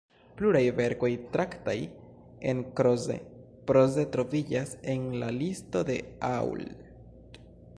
Pluraj verkoj traktataj en Kroze – proze troviĝas en la listo de Auld.